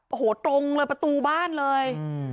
โอ้โหตรงเลยประตูบ้านเลย